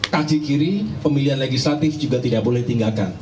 kaki kiri pemilihan legislatif juga tidak boleh ditinggalkan